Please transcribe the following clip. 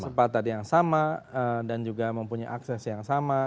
kesempatan yang sama dan juga mempunyai akses yang sama